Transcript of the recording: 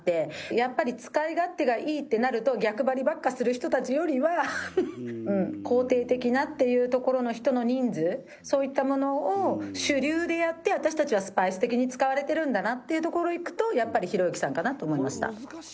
やっぱり使い勝手がいいってなると逆張りばっかする人たちよりは肯定的なっていうところの人の人数そういったものを主流でやって私たちはスパイス的に使われてるんだなっていうところいくとやっぱりひろゆきさんかなと思いました。